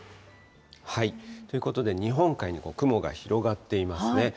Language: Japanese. ということで、日本海に雲が広がっていますね。